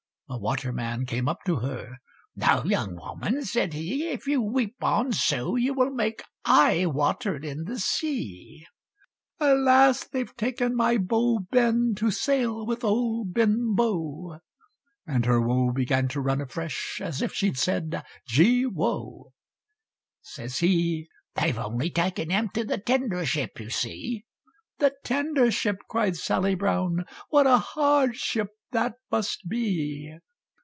A waterman came up to her, "Now, young woman," said he, "If you weep on so, you will make Eye water in the sea." "Alas! they've taken my beau, Ben, To sail with old Benbow"; And her woe began to run afresh, As if she'd said Gee woe! Says he, "They've only taken him To the Tender ship, you see"; "The Tender ship," cried Sally Brown, What a hard ship that must be!